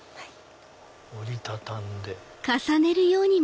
折り畳んで。